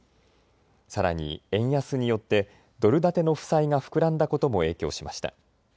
さらに円安によってドル建ての負債が膨んだことも影響しました。